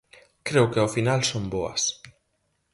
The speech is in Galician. Creo que ao final son boas.